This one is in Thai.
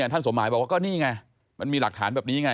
สมหมายบอกว่าก็นี่ไงมันมีหลักฐานแบบนี้ไง